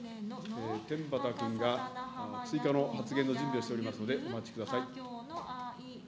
天畠君が追加の発言の準備をしておりますのでお待ちください。